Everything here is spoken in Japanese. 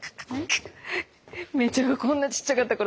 芽依ちゃんがこんなちっちゃかった頃。